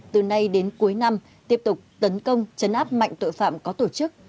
từ nay đến cuối năm tiếp tục tấn công chấn áp mạnh tội phạm có tổ chức